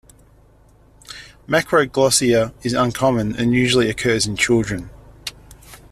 Macroglossia is uncommon, and usually occurs in children.